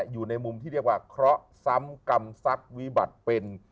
อยู่ในมุมที่เรียกว่าเคราะห์ซ้ำกรรมทรัพย์วิบัติเป็น